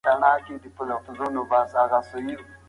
تاسي باید همېشه په ژوند کي هیله من اوسئ.